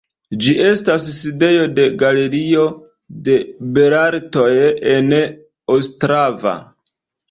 Ĝi estas sidejo de Galerio de belartoj en Ostrava.